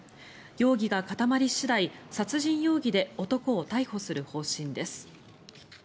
容疑が固まり次第、殺人容疑で男を逮捕する方針です。